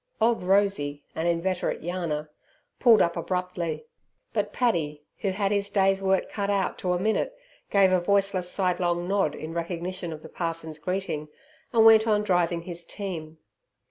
Old Rosey, an inveterate yarner, pulled up abruptly; but Paddy, who had his day's work cut out to a minute, gave a voiceless sidelong nod in recognition of the parson's greeting, and went on driving his team.